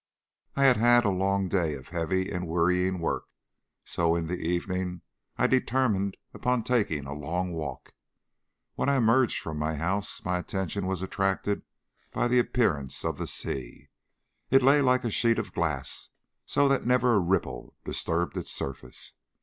I had had a long day of heavy and wearying work, so that in the evening I determined upon taking a long walk. When I emerged from the house my attention was attracted by the appearance of the sea. It lay like a sheet of glass, so that never a ripple disturbed its surface.